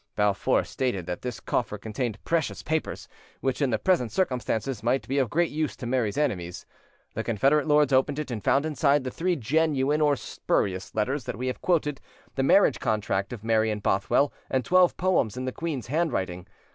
Balfour stated that this coffer contained precious papers, which in the present circumstances might be of great use to Mary's enemies. The Confederate lords opened it, and found inside the three genuine or spurious letters that we have quoted, the marriage contract of Mary and Bothwell, and twelve poems in the queen's handwriting.